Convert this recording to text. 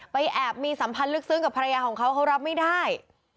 แอบมีสัมพันธ์ลึกซึ้งกับภรรยาของเขาเขารับไม่ได้